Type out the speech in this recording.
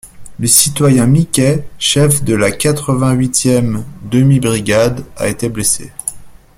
Le citoyen Miquet, chef de la quatre-vingt-huitième demi-brigade, a été blessé.